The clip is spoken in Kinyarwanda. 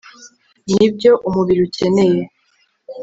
Ni byo umubiri ukeneye